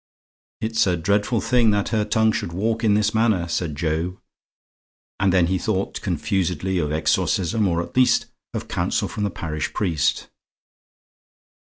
"It's a dreadful thing that her tongue should walk in this manner," said Job, and then he thought confusedly of exorcism, or at least of counsel from the parish priest.